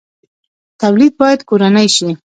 تولید باید کورنی شي